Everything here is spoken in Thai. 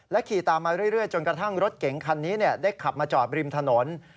ขี่ตามมาเรื่อยจนกระทั่งรถเก๋งคันนี้ได้ขับมาจอดริมถนน